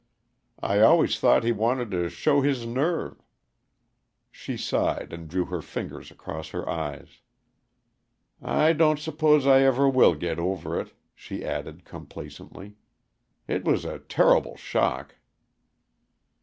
I always thought he wanted to show his nerve." She sighed, and drew her fingers across her eyes. "I don't s'pose I ever will git over it," she added complacently. "It was a turrible shock."